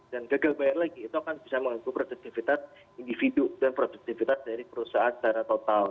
dan gagal bayar lagi itu akan bisa mengganggu produktivitas individu dan produktivitas dari perusahaan secara total